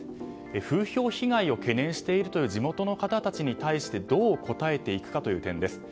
風評被害を懸念しているという地元の方たちに対してどう応えていくかという点です。